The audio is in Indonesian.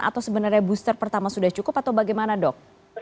atau sebenarnya booster pertama sudah cukup atau bagaimana dok